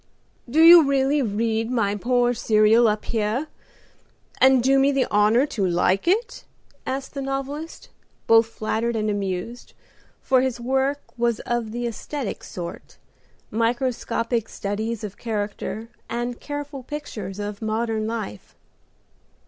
"Do you really read my poor serial up here, and do me the honor to like it?" asked the novelist, both flattered and amused, for his work was of the aesthetic sort, microscopic studies of character, and careful pictures of modern life.